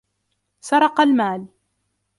سرق المال.